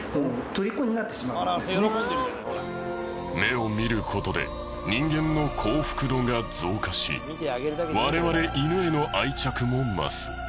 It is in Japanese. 目を見る事で人間の幸福度が増加し我々犬への愛着も増す。